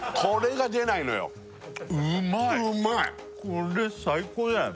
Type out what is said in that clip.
これ最高じゃない？